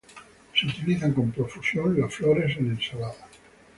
Se utilizan con profusión las flores en ensaladas.